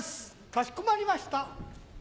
かしこまりました。